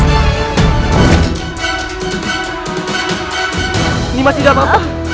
aku aku tidak mau